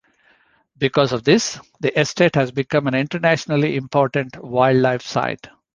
Because of this, the estate has become an internationally important wildlife site.